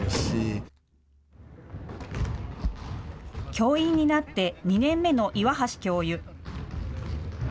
教員になって２年目の岩橋教諭。